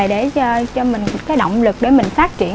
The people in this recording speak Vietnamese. để cho mình một cái động lực để mình phát triển